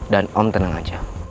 dan om tenang aja